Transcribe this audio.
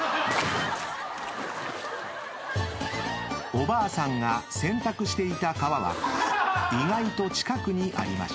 ［おばあさんが洗濯していた川は意外と近くにありました］